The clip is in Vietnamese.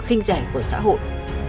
kinh giải của xã hội